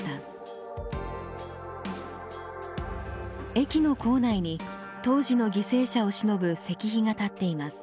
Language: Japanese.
駅の構内に当時の犠牲者をしのぶ石碑が立っています。